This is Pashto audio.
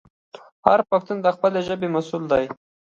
هر پښتون د خپلې ژبې مسوول دی.